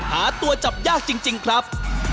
หาตัวจับยากจริงครับ